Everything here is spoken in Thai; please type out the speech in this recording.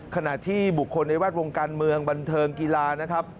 ขณะที่บุคคลในแวดวงการเมืองบันเทิงกีฬานะครับ